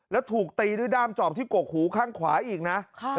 แล้วถูกตีด้วยด้ามจอบที่กกหูข้างขวาอีกนะ